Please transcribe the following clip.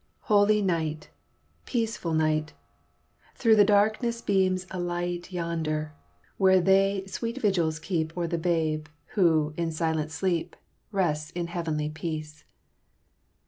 "Holy night! peaceful night! Through the darkness beams a light Yonder, where they sweet vigils keep O'er the Babe, who, in silent sleep, Rests in heavenly peace.